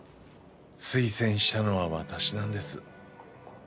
推薦したのは私なんです。